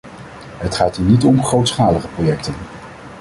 Het gaat hier niet om grootschalige projecten.